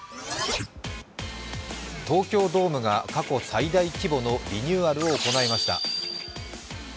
東京ドームが過去最大規模のリニューアルを行いました。